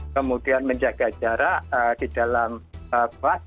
kemudian menjaga jarak di dalam bus